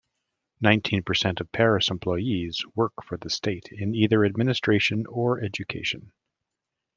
Nineteen percent of Paris employees work for the state in either administration or education.